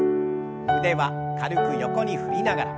腕は軽く横に振りながら。